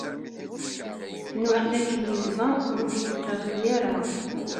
Nwiɣ dakken Yuba ur d-yettqirri ara.